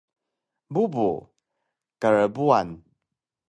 Bubu: Krbuan!